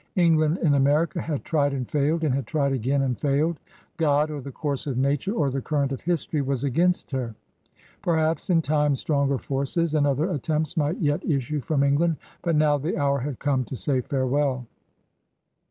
England in America had tried and failed, and had tried again and failed. Qod, or the course of Nature, or the current of History was against her. Perhaps in time stronger forces and other attempts might yet issue from En^and. But now the hour had come to say farewell